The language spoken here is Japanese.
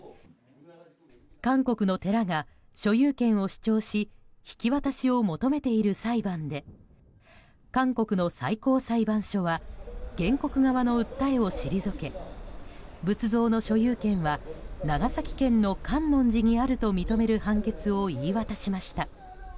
韓国の寺が所有権を主張し引き渡しを求めている裁判で韓国の最高裁判所側は原告側に訴えを退け仏像の所有権は長崎県の観音寺にあると認める判決を言い渡しました。